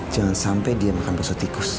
jangan sampai dia makan poso tikus